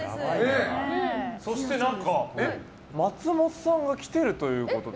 そして松本さんが来てるということで。